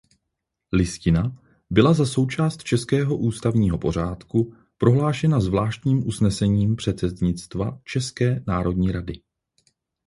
Listina byla za součást českého ústavního pořádku prohlášena zvláštním usnesením předsednictva České národní rady.